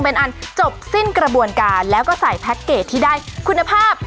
เป็นอันจบสิ้นกระบวนการแล้วก็ใส่แพ็คเกจที่ได้คุณภาพ